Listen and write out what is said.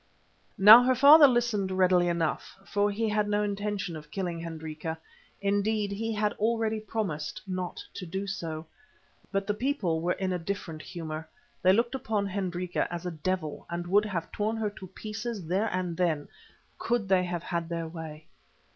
Now her father listened readily enough, for he had no intention of killing Hendrika—indeed, he had already promised not to do so. But the people were in a different humour, they looked upon Hendrika as a devil, and would have torn her to pieces there and then, could they have had their way.